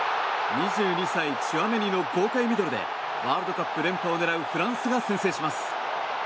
２２歳、チュアメニの豪快ミドルでワールドカップ連覇を狙うフランスが先制します。